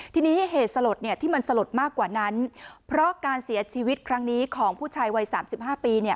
ทีนี้เหตุสลดเนี่ยที่มันสลดมากกว่านั้นเพราะการเสียชีวิตครั้งนี้ของผู้ชายวัยสามสิบห้าปีเนี่ย